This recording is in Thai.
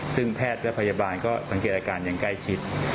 ซึ่งแพทย์และพยาบาลก็สังเกตอาการอย่างใกล้ชิด